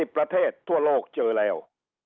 ประเทศทั่วโลกเจอแล้ว